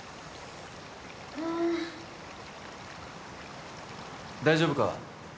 あーっ大丈夫か？